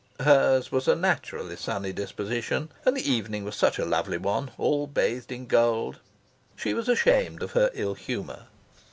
Hers was a naturally sunny disposition. And the evening was such a lovely one, all bathed in gold. She was ashamed of her ill humour.